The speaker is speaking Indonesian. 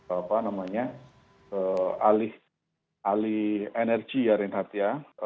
apa namanya alih energi ya reinhardt ya